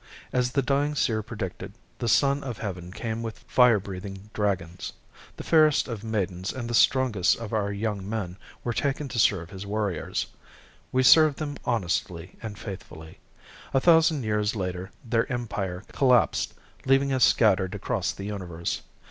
As the dying seer predicted the Son of Heaven came with fire breathing dragons. The fairest of maidens and the strongest of our young men were taken to serve his warriors. We served them honestly and faithfully. A thousand years later their empire collapsed leaving us scattered across the universe.